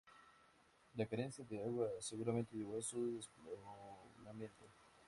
La carencia de agua seguramente llevó a su despoblamiento.